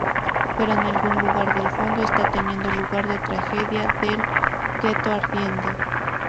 Pero, en algún lugar del fondo, está teniendo lugar la tragedia del ghetto ardiendo.